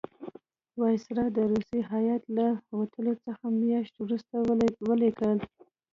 وایسرا د روسی هیات له وتلو څه میاشت وروسته ولیکل.